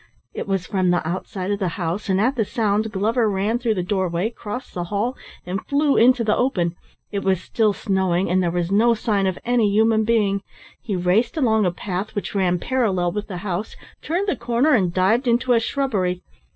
It was from the outside of the house, and at the sound Glover ran through the doorway, crossed the hall and flew into the open. It was still snowing, and there was no sign of any human being. He raced along a path which ran parallel with the house, turned the corner and dived into a shrubbery.